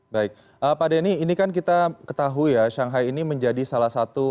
baik pak denny ini kan kita ketahui ya shanghai ini menjadi salah satu